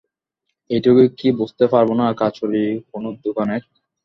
এইটুকু কি বুঝতে পারবো না কাচুরী কোন দোকানের!